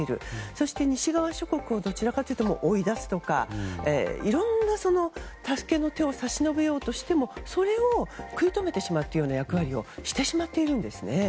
そして、西側諸国をどちらかというと追い出すとか、いろんな助けの手を差し伸べようとしてもそれを食い止めてしまう役割をしてしまっているんですね。